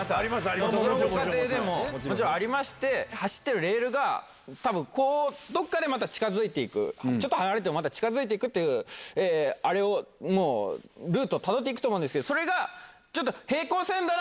どのご家庭でもありまして、走ってるレールが、たぶん、こう、どこかでまた近づいていく、ちょっと離れてもまた近づいていくっていう、あれをもう、ルートをたどっていくと思うんですけど、それがちょっと、平行線